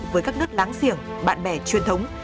với các nước láng giềng bạn bè truyền thống